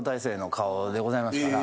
でございますから。